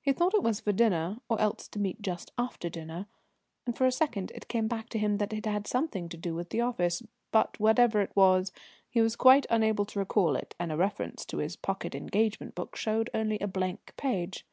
He thought it was for dinner, or else to meet just after dinner, and for a second it came back to him that it had something to do with the office, but, whatever it was, he was quite unable to recall it, and a reference to his pocket engagement book showed only a blank page.